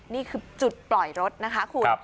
นี่คือจุดปล่อยรถนะคะคุณ